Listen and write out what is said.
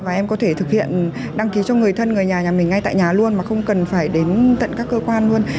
và em có thể thực hiện đăng ký cho người thân người nhà nhà mình ngay tại nhà luôn mà không cần phải đến tận các cơ quan luôn